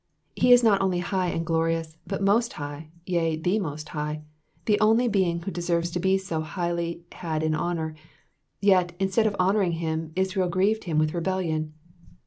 He is not only high and glorious, but most High, yea the most Hin:h, the only being who deserves to be so highly had in honour ; yet, instead of honouring him, Israel grieved him with rebellion.